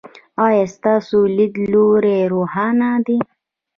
ایا ستاسو لید لوری روښانه دی؟